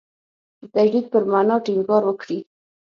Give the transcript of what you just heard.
د تجدید پر معنا ټینګار وکړي.